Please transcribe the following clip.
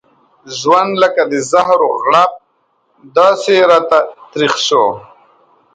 ژوند لکه د زهرو غړپ داسې راته تريخ شو.